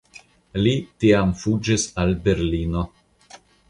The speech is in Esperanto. Li tiam fuĝis al Berlino.